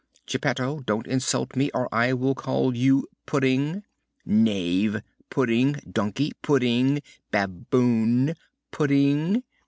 "Geppetto, don't insult me or I will call you Pudding!" "Knave!" "Pudding!" "Donkey!" "Pudding!" "Baboon!" "Pudding!"